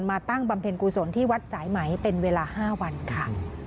ตั้งบำเพ็ญกุศลที่วัดสายไหมเป็นเวลา๕วันค่ะ